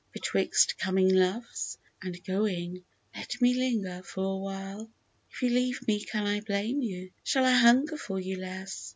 Betwixt coming loves and going, let me linger for a while ! If you leave me can I blame you ? Shall I hunger for you less